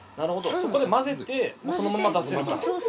そこで混ぜてそのまま出せる。